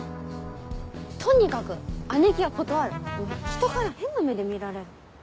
とにかく「アネキ」は断るひとから変な目で見られる。